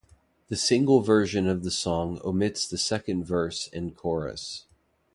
The single version of the song omits the second verse and chorus.